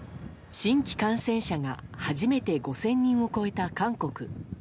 新規感染者が初めて５０００人を超えた韓国。